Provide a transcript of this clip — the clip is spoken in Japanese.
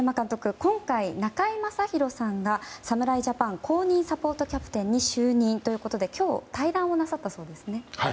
今回、中居正広さんが侍ジャパン公認サポートキャプテンに就任ということで今日対談をなさったそうですね。